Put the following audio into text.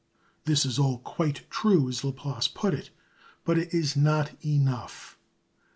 This is all quite true as Laplace put it; but it is not enough.